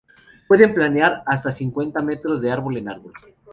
Pueden planear hasta cincuenta metros de árbol en árbol.